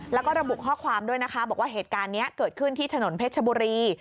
แล้วก็ระบุข้อความด้วยนะคะบอกว่าเหตุการณ์นี้เกิดขึ้นที่ถนนเพชรชบุรี